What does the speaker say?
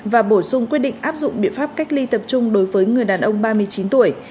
và bổ sung quyết định áp dụng biện pháp cách ly tập trung đối với người đàn ông ba mươi chín tuổi